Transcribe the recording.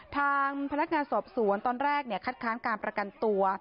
ทางพนักงานสอบสวนตอนแรกคัดค้านการประกันตัว